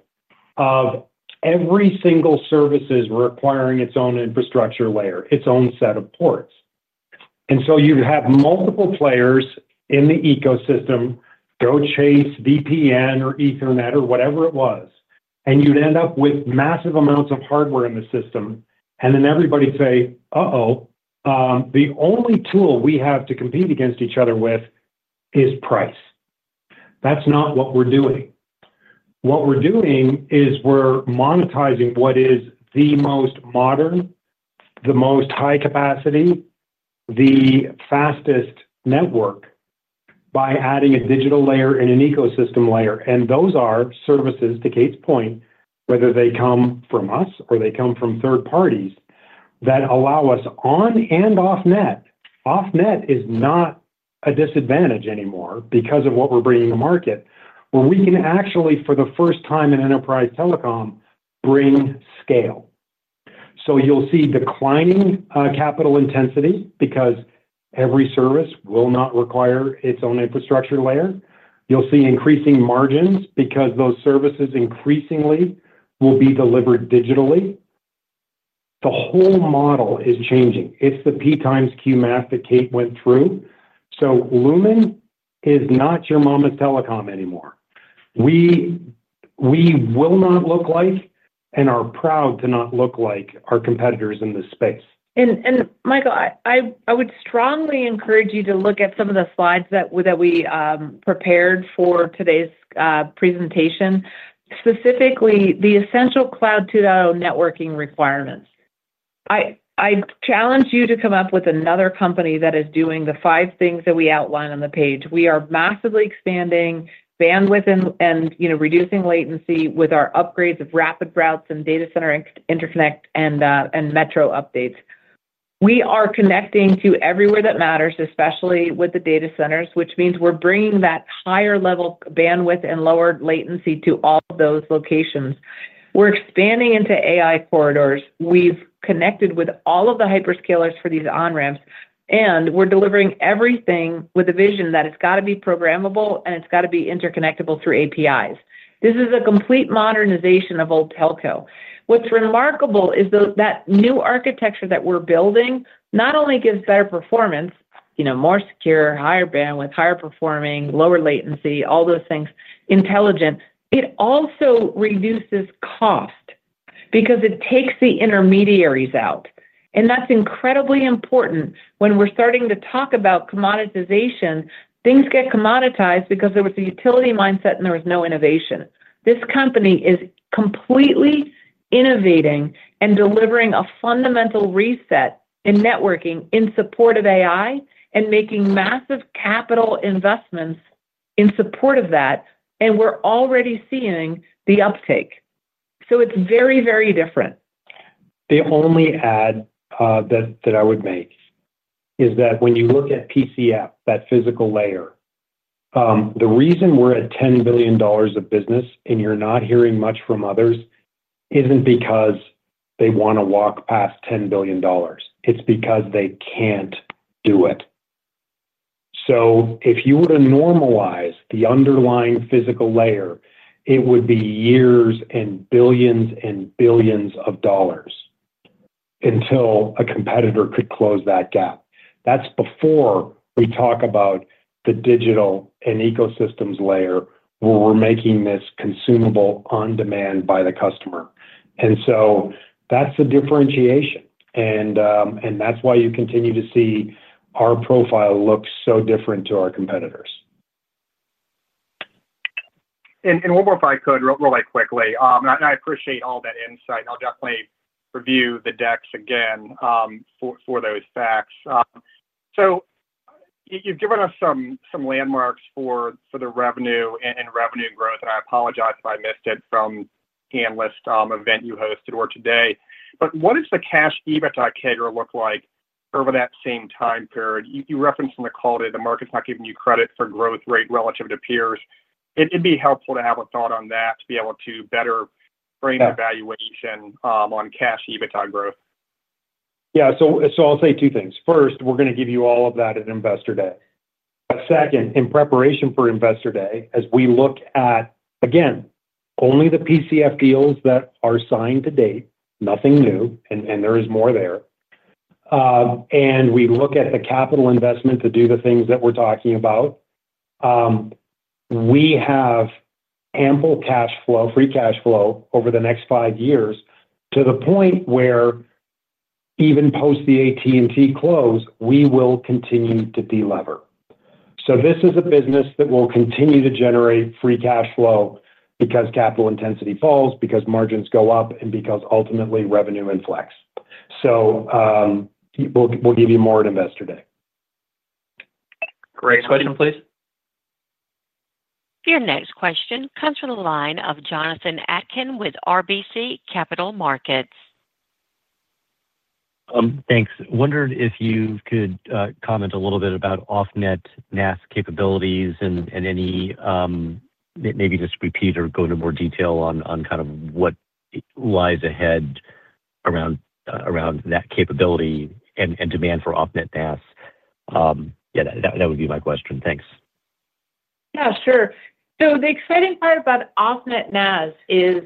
of every single service requiring its own infrastructure layer, its own set of ports. You'd have multiple players in the ecosystem go chase VPN or Ethernet or whatever it was, and you'd end up with massive amounts of hardware in the system. Everybody would say, "Uh-oh. The only tool we have to compete against each other with is price." That's not what we're doing. What we're doing is we're monetizing what is the most modern, the most high-capacity, the fastest network by adding a digital layer and an ecosystem layer. Those are services, to Kate's point, whether they come from us or they come from third-parties that allow us on and off-net. Off-net is not a disadvantage anymore because of what we're bringing to market, where we can actually, for the first time in enterprise telecom, bring scale. You'll see declining capital intensity because every service will not require its own infrastructure layer. You'll see increasing margins because those services increasingly will be delivered digitally. The whole model is changing. It's the P times Q math that Kate went through. Lumen is not your mama's telecom anymore. We will not look like and are proud to not look like our competitors in this space. Michael, I would strongly encourage you to look at some of the slides that we prepared for today's presentation, specifically the essential Cloud 2.0 networking requirements. I challenge you to come up with another company that is doing the five things that we outline on the page. We are massively expanding bandwidth and reducing latency with our upgrades of rapid routes and data center interconnect and metro updates. We are connecting to everywhere that matters, especially with the data centers, which means we're bringing that higher-level bandwidth and lower latency to all of those locations. We're expanding into AI corridors. We've connected with all of the hyperscalers for these on-ramps, and we're delivering everything with a vision that it's got to be programmable and it's got to be interconnectable through APIs. This is a complete modernization of old telco. What's remarkable is that new architecture that we're building not only gives better performance, more secure, higher bandwidth, higher performing, lower latency, all those things, intelligent, it also reduces cost because it takes the intermediaries out. That's incredibly important when we're starting to talk about commoditization. Things get commoditized because there was a utility mindset and there was no innovation. This company is completely innovating and delivering a fundamental reset in networking in support of AI and making massive capital investments in support of that. We're already seeing the uptake. It is very, very different. The only add that I would make is that when you look at PCF, that physical layer, the reason we're at $10 billion of business and you're not hearing much from others isn't because they want to walk past $10 billion. It's because they can't do it. If you were to normalize the underlying physical layer, it would be years and billions and billions of dollars until a competitor could close that gap. That's before we talk about the digital and ecosystems layer where we're making this consumable on-demand by the customer. That is the differentiation. That's why you continue to see our profile look so different to our competitors. One more if I could, really quickly. I appreciate all that insight. I'll definitely review the decks again for those facts. You've given us some landmarks for the revenue and revenue growth. I apologize if I missed it from the analyst event you hosted or today, but what does the cash EBITDA CAGR look like over that same time period? You referenced in the call today that the market's not giving you credit for growth rate relative to peers. It'd be helpful to have a thought on that to be able to better frame the valuation on cash EBITDA growth. Yeah. I'll say two things. First, we're going to give you all of that at Investor Day. Second, in preparation for Investor Day, as we look at, again, only the PCF deals that are signed to date, nothing new, and there is more there, and we look at the capital investment to do the things that we're talking about, we have ample cash flow, free cash flow over the next five years to the point where even post the AT&T close, we will continue to deliver. This is a business that will continue to generate free cash flow because capital intensity falls, because margins go up, and because ultimately revenue inflects. We'll give you more at Investor Day. Great. Next question, please. Your next question comes from the line of Jonathan Atkin with RBC Capital Markets. Thanks. Wondered if you could comment a little bit about off-net NaaS capabilities and maybe just repeat or go into more detail on kind of what lies ahead around that capability and demand for off-net NaaS. Yeah, that would be my question. Thanks. Yeah, sure. The exciting part about off-net NaaS is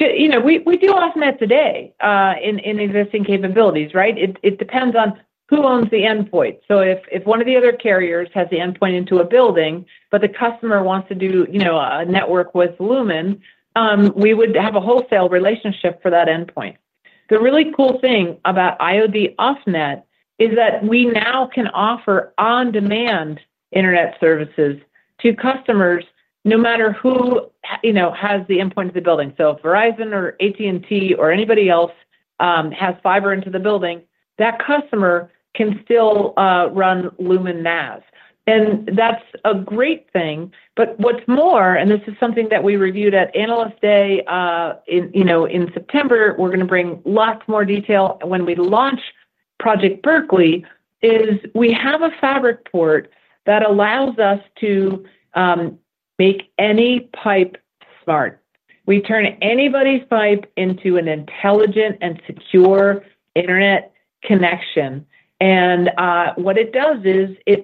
we do off-net today in existing capabilities, right? It depends on who owns the endpoint. If one of the other carriers has the endpoint into a building, but the customer wants to do a network with Lumen, we would have a wholesale relationship for that endpoint. The really cool thing about IoD Offnet is that we now can offer on-demand internet services to customers no matter who has the endpoint to the building. If Verizon or AT&T or anybody else has fiber into the building, that customer can still run Lumen NaaS, and that's a great thing. What's more, and this is something that we reviewed at Analyst Day, in September we're going to bring lots more detail when we launch Project Berkeley. We have a fabric port that allows us to make any pipe smart. We turn anybody's pipe into an intelligent and secure internet connection. It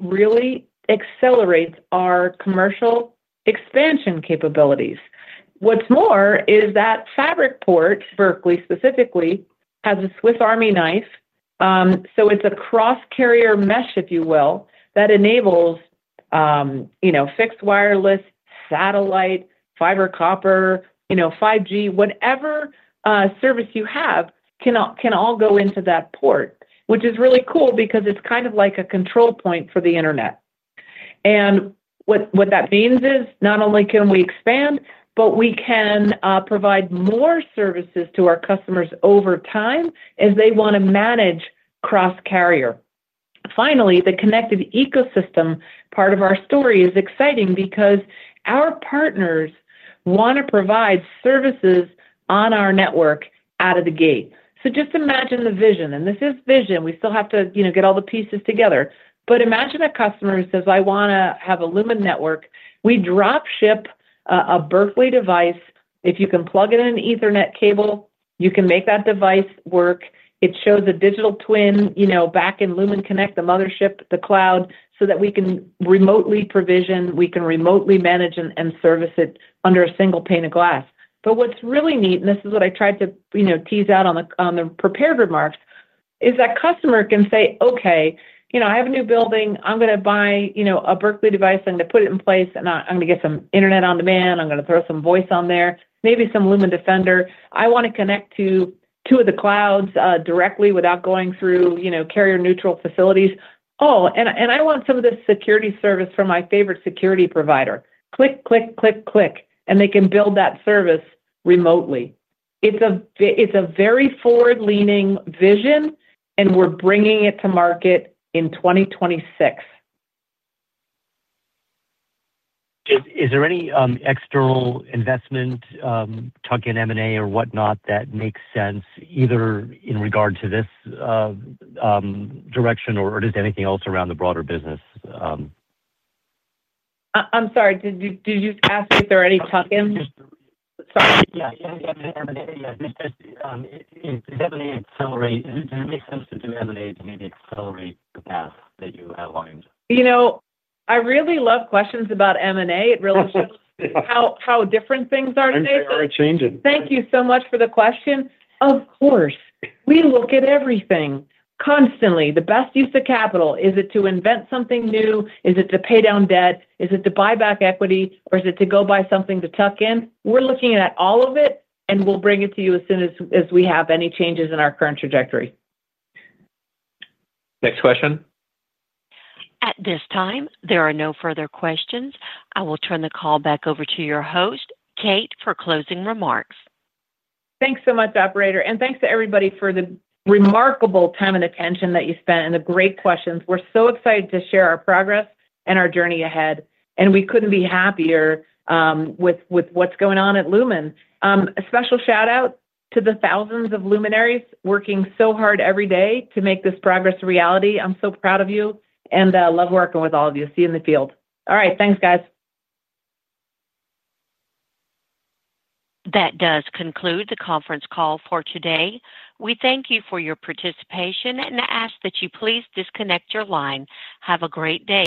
really accelerates our commercial expansion capabilities. What's more is that fabric port, Berkeley specifically, has a Swiss Army knife. It's a cross-carrier mesh, if you will, that enables fixed wireless, satellite, fiber, copper, 5G, whatever service you have can all go into that port, which is really cool because it's kind of like a control point for the internet. What that means is not only can we expand, but we can provide more services to our customers over time as they want to manage cross-carrier. Finally, the connected ecosystem part of our story is exciting because our partners want to provide services on our network out of the gate. Just imagine the vision, and this is vision. We still have to get all the pieces together, but imagine a customer who says, "I want to have a Lumen network." We dropship a Berkeley device. If you can plug in an Ethernet cable, you can make that device work. It shows a digital twin back in Lumen Connect, the mothership, the cloud, so that we can remotely provision, we can remotely manage and service it under a single pane of glass. What's really neat, and this is what I tried to tease out on the prepared remarks, is that customer can say, "Okay, I have a new building. I'm going to buy a Berkeley device. I'm going to put it in place, and I'm going to get some internet on demand. I'm going to throw some voice on there, maybe some Lumen Defender. I want to connect to two of the clouds directly without going through carrier-neutral facilities." Oh, and I want some of this security service from my favorite security provider. Click, click, click, click. They can build that service remotely. It's a very forward-leaning vision, and we're bringing it to market in 2026. Is there any external investment, tuck-in M&A or whatnot that makes sense either in regard to this direction, or is there anything else around the broader business? I'm sorry. Did you ask if there are any tuck-ins? Sorry. Yeah. Does M&A accelerate? Does it make sense to do M&A to maybe accelerate the path that you outlined? I really love questions about M&A. It really shows how different things are today. Thank you so much for the question. Of course, we look at everything constantly. The best use of capital, is it to invent something new? Is it to pay down debt? Is it to buy back equity? Or is it to go buy something to tuck in? We're looking at all of it, and we'll bring it to you as soon as we have any changes in our current trajectory. Next question. At this time, there are no further questions. I will turn the call back over to your host, Kate, for closing remarks. Thanks so much, operator, and thanks to everybody for the remarkable time and attention that you spent and the great questions. We're so excited to share our progress and our journey ahead. We couldn't be happier with what's going on at Lumen. A special shout-out to the thousands of luminaries working so hard every day to make this progress a reality. I'm so proud of you, and I love working with all of you. See you in the field. All right. Thanks, guys. That does conclude the conference call for today. We thank you for your participation and ask that you please disconnect your line. Have a great day.